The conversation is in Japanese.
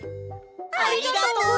ありがとう！